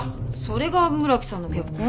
それが村木さんの結婚？